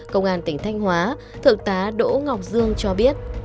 công an tỉnh thanh hóa thượng tá đỗ ngọc dương cho biết